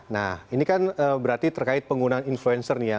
nah ini kan berarti terkait penggunaan influencer nih ya